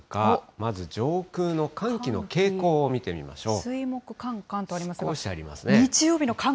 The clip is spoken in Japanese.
まず上空の寒気の傾向を見てみましょう。